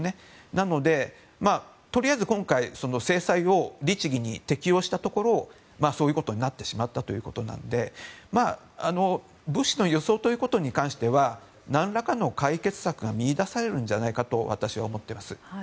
なので、とりあえず今回制裁を律義に適用したところそういうことになってしまったということなので物資の輸送ということに関しては何らかの解決策が見いだされるんじゃないかと私は思っています。